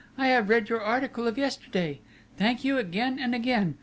I have read your article of yesterday. Thank you again and again!